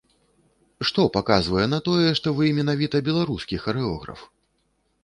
Што паказвае на тое, што вы менавіта беларускі харэограф?